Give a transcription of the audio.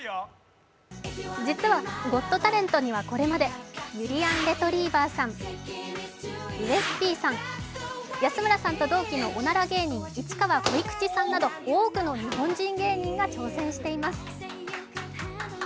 実は、「ゴット・タレント」にはこれまでゆりやんレトリィバァさん、ウエスＰさん、安村さんと同期のおなら芸人、市川こいくちさんなど多くの日本人芸人が挑戦しています。